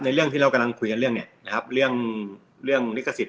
เรื่องที่เรากำลังคุยกันเรื่องเนี่ยนะครับเรื่องเรื่องลิขสิทธ